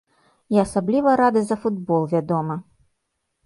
І асабліва рады за футбол, вядома.